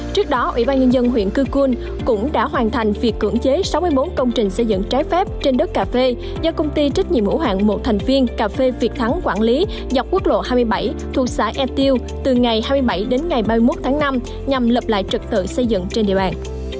trước đó ủy ban nhân dân huyện cư cuôn cũng đã hoàn thành việc cưỡng chế sáu mươi bốn công trình xây dựng trái phép trên đất cà phê do công ty trách nhiệm hữu hạng một thành viên cà phê việt thắng quản lý dọc quốc lộ hai mươi bảy thuộc xã e tiêu từ ngày hai mươi bảy đến ngày ba mươi một tháng năm nhằm lập lại trật tự xây dựng trên địa bàn